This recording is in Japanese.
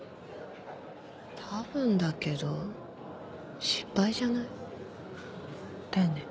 多分だけど失敗じゃない？だよね。